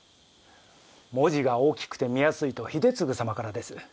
文字が大きくて見やすいと秀次様からです。